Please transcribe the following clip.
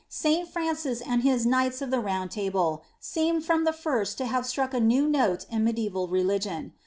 St. Francis and his " Knights of the Round Table "* seem from the first to have struck a new note in medieval religion.